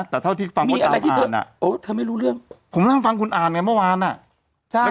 แต่เท่าที่ฟังอ๋อเธอไม่รู้เรื่องผมฟังคุณอ่านไงเมื่อวานน่ะใช่